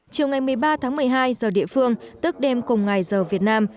chiều ngày một mươi ba tháng một mươi hai giờ địa phương tức đêm cùng ngày giờ việt nam